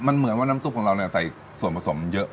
มันเหมือนว่าน้ำซุปของเราเนี่ยใส่ส่วนผสมเยอะ